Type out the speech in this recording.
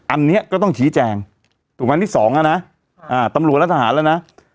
อันนี้ก็ต้องชี้แจงถูกไหมที่สองอ่ะนะตำรวจและทหารแล้วนะ